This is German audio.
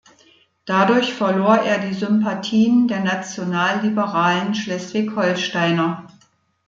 Dadurch verlor er die Sympathien der nationalliberalen Schleswig-Holsteiner.